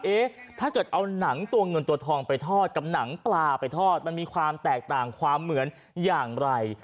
ถ้าเกิดเอาหนังตัวเงินตัวทองไปทอดกับหนังปลาไปทอดมันมีความแตกต่างความเหมือนอย่างไร